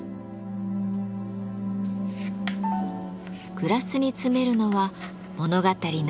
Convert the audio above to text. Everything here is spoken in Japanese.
グラスに詰めるのは物語の終わりから。